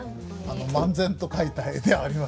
漫然と描いた絵ではありません。